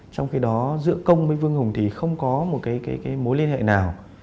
trong khi đó giữa công với vương hùng thì không có một cái mối liên hệ nào